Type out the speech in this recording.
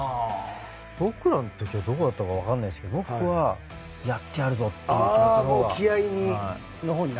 僕らの時はどうだったか分からないですが僕はやってやるぞ！っていう気持ちのほうが。